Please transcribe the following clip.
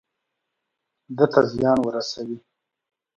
ده ته زيان ورسوي.